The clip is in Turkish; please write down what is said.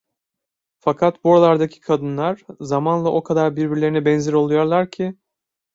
Fakat buralardaki kadınlar zamanla o kadar birbirlerine benzer oluyorlar ki...